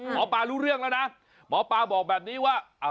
หมอปลารู้เรื่องแล้วนะหมอปลาบอกแบบนี้ว่า